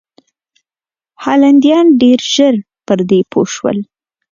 هالنډیان ډېر ژر پر دې پوه شول.